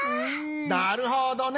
なるほどね！